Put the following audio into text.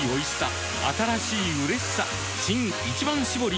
新「一番搾り」